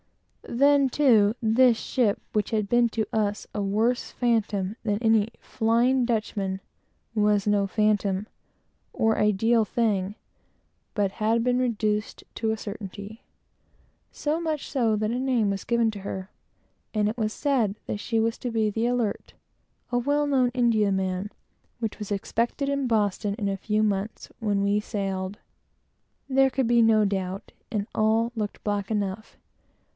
Then, too, this ship, which had been to us a worse phantom than any flying Dutchman, was no phantom, or ideal thing, but had been reduced to a certainty; so much so that a name was given her, and it was said that she was to be the Alert, a well known India man, which was expected in Boston in a few months, when we sailed. There could be no doubt, and all looked black enough.